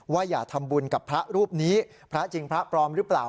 อย่าทำบุญกับพระรูปนี้พระจริงพระปลอมหรือเปล่า